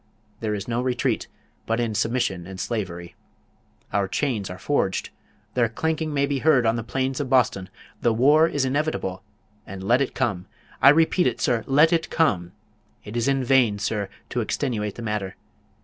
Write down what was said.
There is no retreat, but in submission and slavery. Our chains are forged. Their clanking may be heard on the plains of Boston. The war is inevitable; and let it come! I repeat it, sir, let it come! It is in vain, sir, to extenuate the matter.